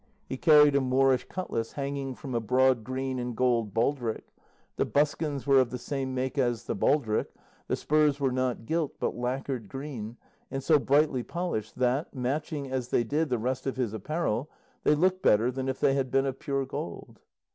He carried a Moorish cutlass hanging from a broad green and gold baldric; the buskins were of the same make as the baldric; the spurs were not gilt, but lacquered green, and so brightly polished that, matching as they did the rest of his apparel, they looked better than if they had been of pure gold.